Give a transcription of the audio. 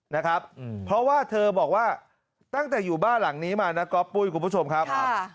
นะครับเพราะว่าเธอบอกว่าตั้งแต่อยู่บ้านหลังนี้มานะก๊อปปุ้ยคุณผู้ชมครับ